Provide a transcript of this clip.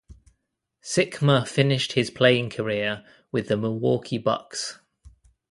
Sikma finished his playing career with the Milwaukee Bucks.